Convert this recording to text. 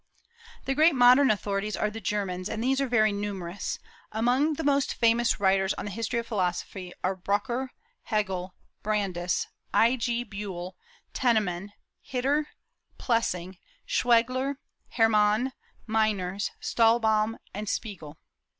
The great modern authorities are the Germans, and these are very numerous. Among the most famous writers on the history of philosophy are Brucker, Hegel, Brandis, I.G. Buhle, Tennemann, Hitter, Plessing, Schwegler, Hermann, Meiners, Stallbaum, and Spiegel.